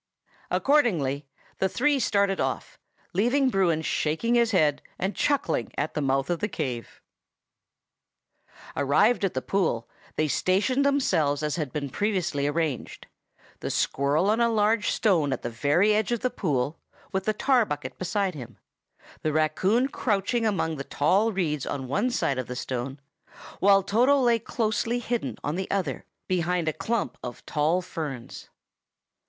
Accordingly the three started off, leaving Bruin shaking his head and chuckling at the mouth of the cave. Arrived at the pool, they stationed themselves as had been previously arranged: the squirrel on a large stone at the very edge of the pool, with the tar bucket beside him; the raccoon crouching among the tall reeds on one side of the stone, while Toto lay closely hidden on the other, behind a clump of tall ferns.